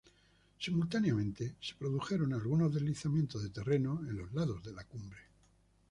Simultáneamente, se produjeron algunos deslizamientos de terreno en los lados de la cumbre.